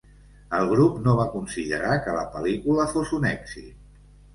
El grup no va considerar que la pel·lícula fos un èxit.